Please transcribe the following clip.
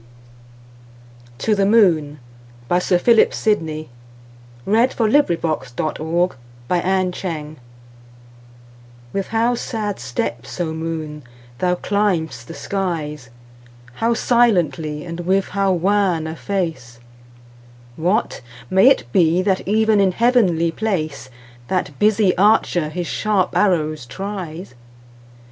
lassics. 1909–14. Sir Philip Sidney 60. To the Moon WITH how sad steps, O moon, thou climb'st the skies! How silently, and with how wan a face! What! may it be that even in heavenly placeThat busy archer his sharp arrows tries?